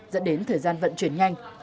dẫn đến thời gian vận chuyển nhanh